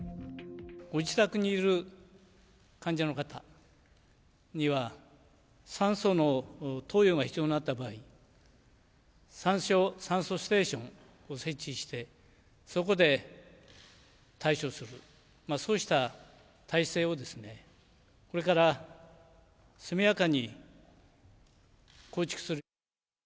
ご自宅にいる患者の方には、酸素の投与が必要になった場合、酸素ステーションを設置して、そこで対処する、そうした体制をこれから速やかに構築する。